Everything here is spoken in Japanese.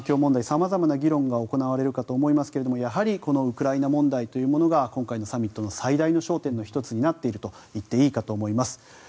さまざまな議論が行われるかと思いますがやはりウクライナ問題が今回のサミットの最大の焦点の１つになっているといっていいかと思います。